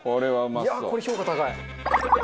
これ評価高い。